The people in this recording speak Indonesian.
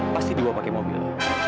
pasti dibawa pake mobil